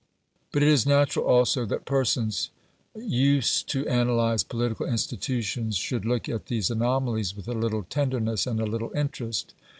But it is natural also that persons used to analyse political institutions should look at these anomalies with a little tenderness and a little interest.